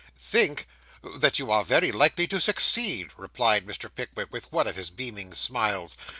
'Think! That you are very likely to succeed,' replied Mr. Pickwick, with one of his beaming smiles.